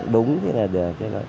đúng thế là được